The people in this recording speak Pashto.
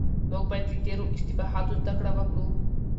موږ بايد له تېرو اشتباهاتو زده کړه وکړو.